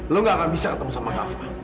lo nggak akan bisa ketemu sama kafa